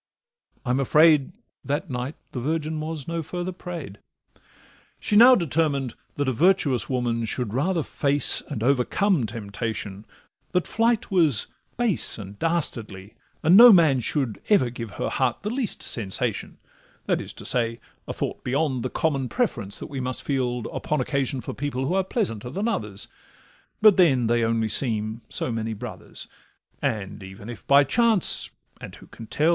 I'm afraid That night the Virgin was no further pray'd. She now determined that a virtuous woman Should rather face and overcome temptation, That flight was base and dastardly, and no man Should ever give her heart the least sensation; That is to say, a thought beyond the common Preference, that we must feel upon occasion For people who are pleasanter than others, But then they only seem so many brothers. And even if by chance—and who can tell?